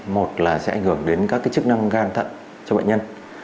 một là sẽ ảnh hưởng đến các chức năng gan thận cho bệnh nhân